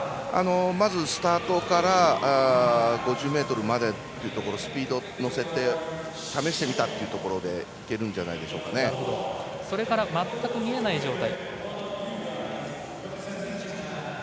まず、スタートから５０ｍまでというところスピード乗せて試してみたというところでそれから全く見えない状態。